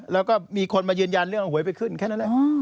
แล้วก็มีคนมายืนยันเรื่องเอาหวยไปขึ้นแค่นั้นแหละ